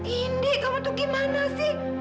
indi kamu tuh gimana sih